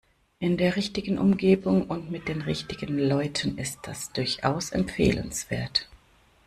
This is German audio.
In der richtigen Umgebung und mit den richtigen Leuten ist das durchaus empfehlenswert.